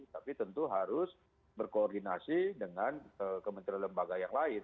tapi tentu harus berkoordinasi dengan kementerian lembaga yang lain